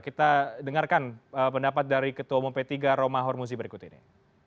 kita dengarkan pendapat dari ketomong p tiga romah hormuzi berikut ini